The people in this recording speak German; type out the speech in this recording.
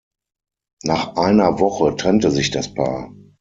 Nach einer Woche trennte sich das Paar.